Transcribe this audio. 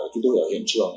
chúng tôi ở hiện trường